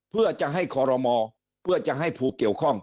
เพื่อจะให้คอรมอเพื่อจะให้ผู้เกี่ยวข้อง